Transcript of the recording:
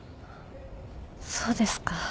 そうですか。